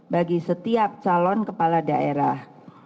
bagi setiap calon kepala daerah